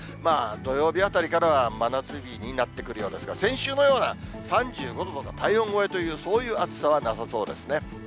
土曜日あたりからは真夏日になってくるようですが、先週のような、３５度とか体温超えという、そういうあつさはなさそうですね。